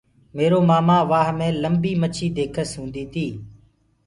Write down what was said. ميرو مآمآ وآه مي لمبي مڇي ديکس هوندي تي۔